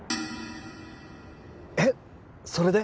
えっそれで？